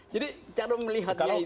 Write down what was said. jadi cara melihatnya itu